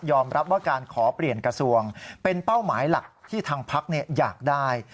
รับว่าการขอเปลี่ยนกระทรวงเป็นเป้าหมายหลักที่ทางพักอยากได้